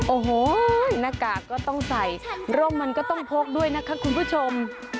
โอ้โหหน้ากากก็ต้องใส่ร่มมันก็ต้องพกด้วยนะคะคุณผู้ชม